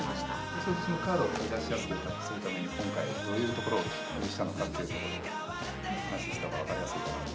そのカードを取り出しやすくするために今回どういうところを気にしたのかというところを話したほうがわかりやすいと思うんで。